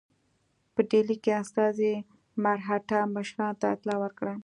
په ډهلي کې استازي مرهټه مشرانو ته اطلاع ورکړه.